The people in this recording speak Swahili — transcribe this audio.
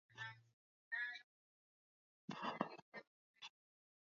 Nimeubeba msalaba wangu.